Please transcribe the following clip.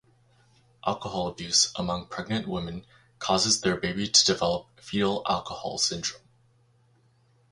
Alcohol abuse among pregnant women causes their baby to develop fetal alcohol syndrome.